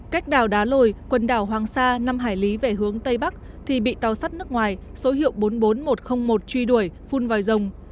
cách đảo đá lồi quần đảo hoàng sa năm hải lý về hướng tây bắc thì bị tàu sắt nước ngoài số hiệu bốn mươi bốn nghìn một trăm linh một truy đuổi phun vào dòng